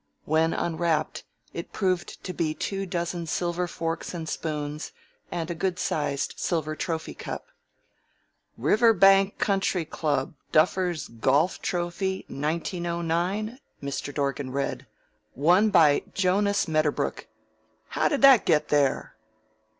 When unwrapped it proved to be two dozen silver forks and spoons and a good sized silver trophy cup. "'Riverbank Country Club, Duffers' Golf Trophy, 1909?'" Mr. Dorgan read. "'Won by Jonas Medderbrook.' How did that get there?"